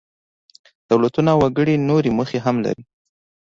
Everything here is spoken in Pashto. دولتونه او وګړي نورې موخې هم لري.